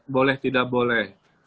boleh tidak boleh